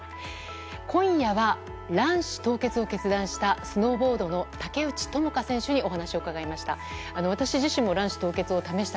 今夜は卵子凍結を決断したスノーボードの竹内智香選手にお話を伺いました。